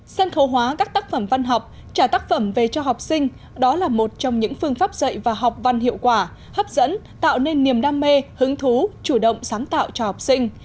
sân khấu hóa các tác phẩm văn học trả tác phẩm về cho học sinh đó là một trong những phương pháp dạy và học văn hiệu quả hấp dẫn tạo nên niềm đam mê hứng thú chủ động sáng tạo cho học sinh